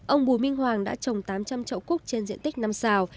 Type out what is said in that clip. ông bùi minh hoàng đã trồng tám trăm linh trậu cúc trên diện tích năm xào